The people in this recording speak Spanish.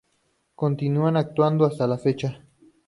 Continúan actuando hasta la fecha.